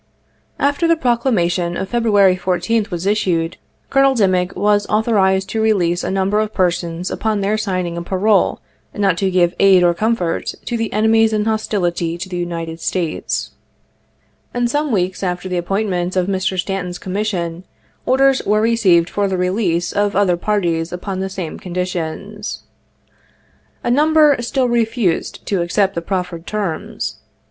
75 After the Proclamation of February 14th, was issued, Col onel Dimick was authorized to release a number of persons upon their signing a parole not to give ' c aid or comfort to the enemies in hostility to the United States ;'' and some weeks after the appointment of Mr. Stanton's commission, orders were received for the release of other parties upon the same conditions. A number still refused to accept the proffered terms.